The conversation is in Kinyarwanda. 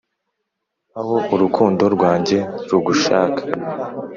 aho urukundo rwanjye rugushaka,